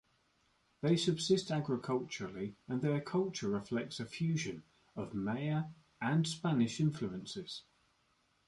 They subsist agriculturally, and their culture reflects a fusion of Maya and Spanish influences.